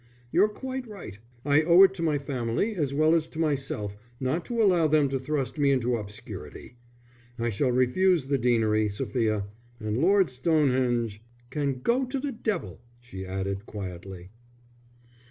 You're quite right. I owe it to my family as well as to myself not to allow them to thrust me into obscurity. I shall refuse the deanery, Sophia; and Lord Stonehenge " "Can go to the devil," she added, quietly.